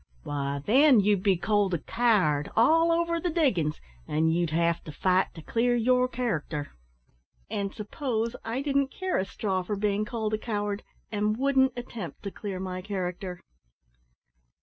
"Why, then, you'd be called a coward all over the diggin's, and you'd have to fight to clear your character." "And suppose I didn't care a straw for being called a coward, and wouldn't attempt to clear my character?"